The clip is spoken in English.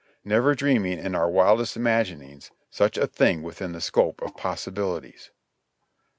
never dreaming in our wildest imaginings such a thing within the scope of possibilities.